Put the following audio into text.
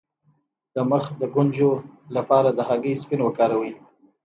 د مخ د ګونځو لپاره د هګۍ سپین وکاروئ